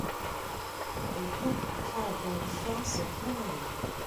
Le groupe prend donc fin cette même année.